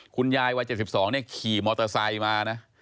คุณยายวัย๗๒ขี่มอเตอร์ไซค์มานะ